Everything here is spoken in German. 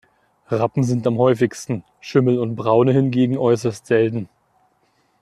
Rappen sind am häufigsten, Schimmel und Braune hingegen äußerst selten.